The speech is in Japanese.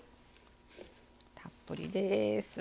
たっぷりです。